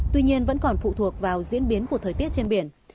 tuy nhiên vẫn còn phụ thuộc vào diễn biến của thời tiết trên biển